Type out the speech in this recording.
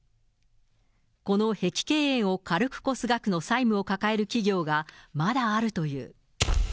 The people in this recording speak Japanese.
この碧桂園を軽く超す額の債務を抱える企業が、まだあるという。